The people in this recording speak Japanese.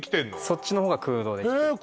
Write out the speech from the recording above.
そっちの方が空洞へえ